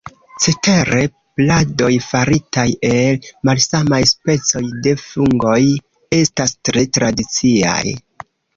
Cetere, pladoj faritaj el malsamaj specoj de fungoj estas tre tradiciaj.